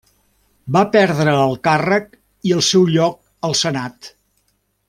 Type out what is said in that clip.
Va perdre el càrrec i el seu lloc al senat.